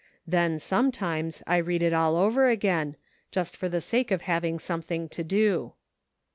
Then, sometimes, I read it all over again ; just for the sake of having something to do."